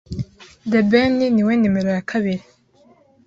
The ben niwe nimero yakabiri